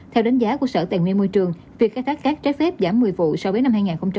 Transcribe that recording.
theo đánh giá của sở tài nguyên môi trường việc khai thác cát trái phép giảm một mươi vụ so với năm hai nghìn một mươi chín